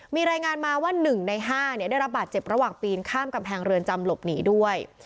มีรายงานมาว่า๑ใน๕ได้รับบาดเจ็บระหว่างปีนข้ามกำแพงเรือนจำหลบหนีด้วย